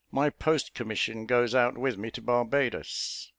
My post commission goes out with me to Barbadoes."